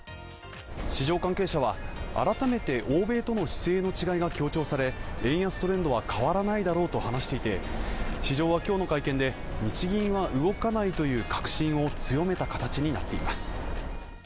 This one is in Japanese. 市場関係者は、改めて欧米との姿勢の違いが強調され、円安トレンドは変わらないだろうと話していて、市場は今日の会見で日銀は動かないという確信を強めた形になっています。